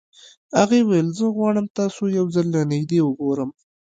هغې وويل زه غواړم تاسو يو ځل له نږدې وګورم.